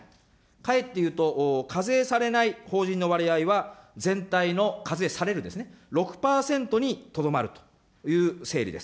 かえって言うと、課税されない法人の割合は、全体の、課税されるですね、６％にとどまるという整理です。